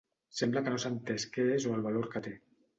Sembla que no s’ha entès què és o el valor que té.